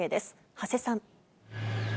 長谷さん。